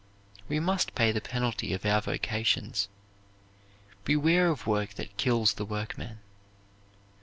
We must pay the penalty of our vocations. Beware of work that kills the workman.